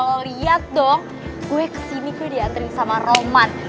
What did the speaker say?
lo liat dong gue kesini diantrin sama roman